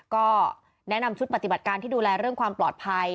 ก็แนะนำชุดปฏิบัติการที่ดูแลเรื่องความปลอดภัย